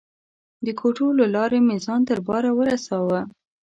د کوټو له لارې مې ځان تر باره ورساوه.